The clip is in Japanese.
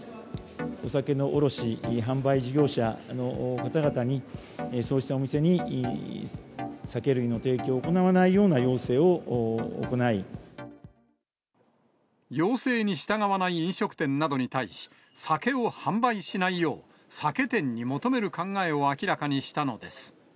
お酒の卸し、販売事業者の方々に、そうしたお店に、酒類の提供を行わないよう要請に従わない飲食店などに対し、酒を販売しないよう、酒店に求める考えを明らかにしたのです。